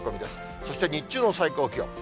そして、日中の最高気温。